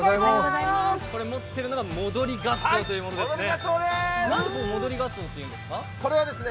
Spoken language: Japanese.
持っているのが戻りがつおというものなんですね。